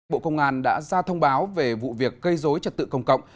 bộ công an đã ra thông báo về vụ việc gây dối trật tự công cộng